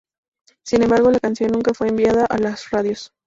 Sin embargo, la canción nunca fue enviada a las radios.